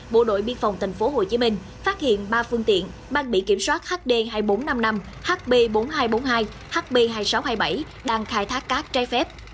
bộ đội biên phòng tp hcm phát hiện ba phương tiện mang bị kiểm soát hd hai nghìn bốn trăm năm mươi năm hb bốn nghìn hai trăm bốn mươi hai hp hai nghìn sáu trăm hai mươi bảy đang khai thác cát trái phép